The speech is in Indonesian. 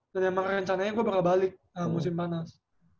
dan emang rencananya gue baru balik dalam musim panas